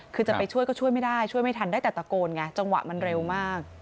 คือจะไปช่วยก็ช่วยไม่ได้ช่วยไม่ทันได้แต่ตะโกนไงจังหวะมันเร็วมาก